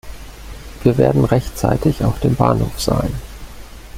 Wir werden rechtzeitig auf dem Bahnhof sein.